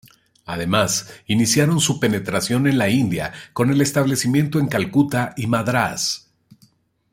Además, iniciaron su penetración en la India con el establecimiento en Calcuta y Madrás.